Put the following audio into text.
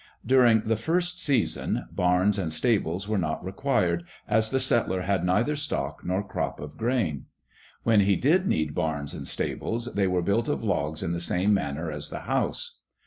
During the first season, barns and stables were not required, as the settler had neither stock nor crop of grain. When he did need barns and stables, they were built of logs in the same manner as the house.